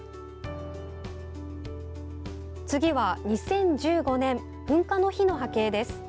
次は、２０１５年噴火の日の波形です。